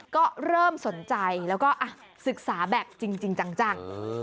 ก็เริ่มสนใจแล้วก็ศึกษาแบบจริงจัง